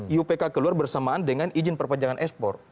iupk keluar bersamaan dengan izin perpanjangan ekspor